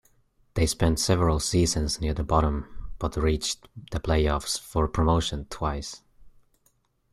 They spent several seasons near the bottom, but reached the play-offs for promotion twice.